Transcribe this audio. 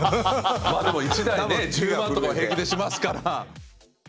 まあでも１台ね１０万とか平気でしますから。